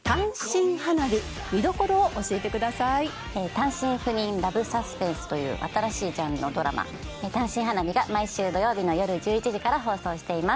単身赴任ラブサスペンスという新しいジャンルのドラマ『単身花日』が毎週土曜日のよる１１時から放送しています。